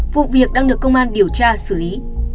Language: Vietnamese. vụ việc đang được công an điều tra xử lý